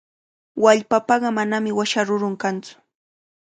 Wallpapaqa manami washa rurun kantsu.